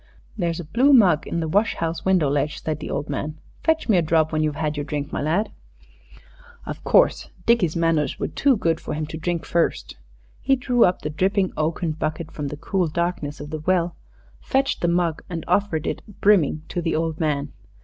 "There's a blue mug in the wash house window ledge," said the old man. "Fetch me a drop when you've had your drink, my lad." Of course, Dickie's manners were too good for him to drink first. He drew up the dripping oaken bucket from the cool darkness of the well, fetched the mug, and offered it brimming to the old man.